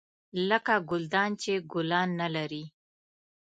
لکه ګلدان چې ګلان نه لري .